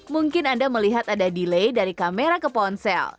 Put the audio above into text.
mungkin anda melihat ada delay dari kamera ke ponsel